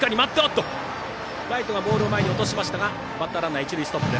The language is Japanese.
ライトがボールを前に落としましたがバッターランナー、一塁ストップ。